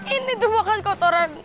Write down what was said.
ini tuh bakalan kotoran